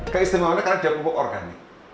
keistimewaannya karena ada pupuk organik